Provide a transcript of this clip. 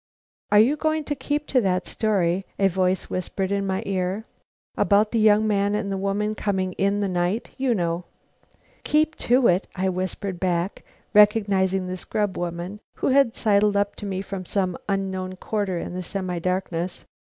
"Are you going to keep to that story?" a voice whispered in my ear. "About the young man and woman coming in the night, you know." "Keep to it!" I whispered back, recognizing the scrub woman, who had sidled up to me from some unknown quarter in the semi darkness.